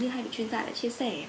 như hai vị chuyên gia đã chia sẻ